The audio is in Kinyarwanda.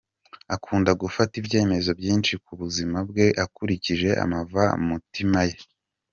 Akunda gufata ibyemezo byinshi ku buzima bwe akurikije amavamutima ye.